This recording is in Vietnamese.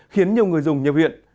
khiến nhiều người dùng nhập huyện